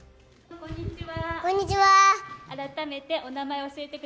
こんにちは。